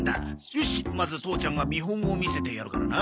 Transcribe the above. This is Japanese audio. よしまず父ちゃんが見本を見せてやるからな。